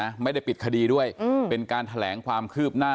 ไม่ได้ปิดคดีด้วยอืมเป็นการแถลงความคืบหน้า